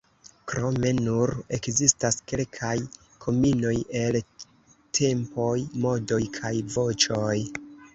Krome nur ekzistas kelkaj kombinoj el tempoj, modoj kaj voĉoj.